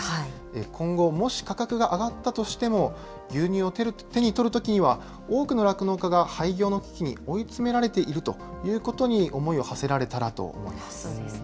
今後、もし価格が上がったとしても、牛乳を手に取るときには、多くの酪農家が廃業の危機に追い詰められているということに、そうですね。